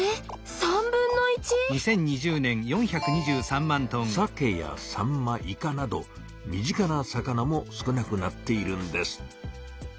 ３分の１⁉サケやサンマイカなど身近な魚も少なくなっているんです。